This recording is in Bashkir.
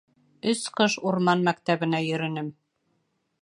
Өс ҡыш урман мәктәбенә йөрөнөм.